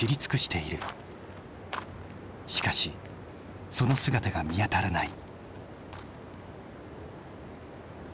しかしその姿が見当たらない。